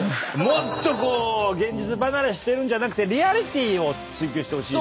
もっとこう現実離れしてるんじゃなくてリアリティーを追求してほしいと。